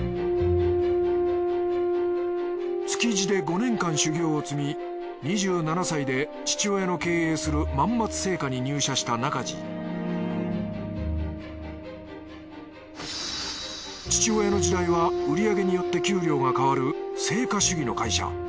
築地で５年間修業を積み２７歳で父親の経営する万松青果に入社した中路父親の時代は売り上げによって給料が変わる成果主義の会社。